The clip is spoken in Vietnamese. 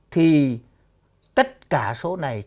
thì tất cả số này